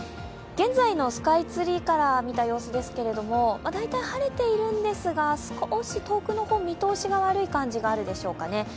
現在のスカイツリーから見た様子ですけれども大体晴れているんですが、少し遠くの方、見通しが悪い感じがありますかね。